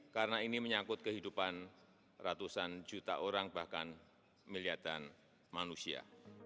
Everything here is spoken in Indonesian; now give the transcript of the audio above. karena ini menyangkut kehidupan ratusan juta orang bahkan miliardan manusia